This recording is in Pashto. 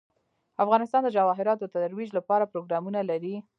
افغانستان د جواهرات د ترویج لپاره پروګرامونه لري.